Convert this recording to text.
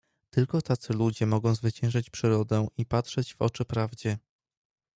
"Tylko tacy ludzie mogą zwyciężyć Przyrodę i patrzeć w oczy prawdzie."